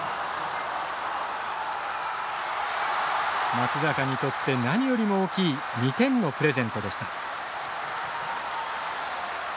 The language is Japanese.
松坂にとって、何よりも大きい２点のプレゼントでした。